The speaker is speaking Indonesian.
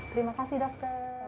terima kasih dokter